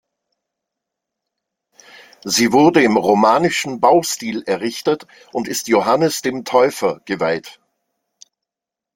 Sie wurde im romanischen Baustil errichtet und ist Johannes dem Täufer geweiht.